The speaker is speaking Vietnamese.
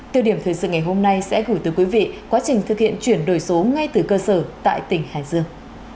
từ điểm thời sự ngày hôm nay sẽ gửi tới quý vị quá trình thực hiện chuyển đổi số ngay từ cơ sở tại tỉnh hải dương